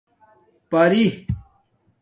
پری